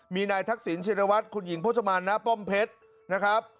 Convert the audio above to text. มีนายทักษิณชินวัฒน์คุณหญิงพจมานณป้อมเพชรนะครับ